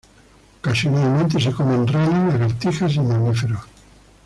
Ocasionalmente se comen ranas, lagartijas y mamíferos.